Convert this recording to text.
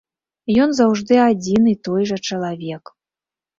Ён заўжды адзін і той жа чалавек.